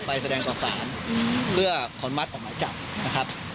แสดงต่อสารเพื่อขอมัดออกหมายจับนะครับ